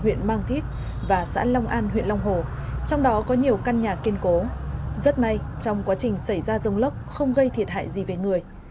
huyện mang thít và xã long an huyện long hồ trong đó có nhiều căn nhà kiên cố rất may trong quá trình xảy ra rông lốc không gây thiệt hại gì về người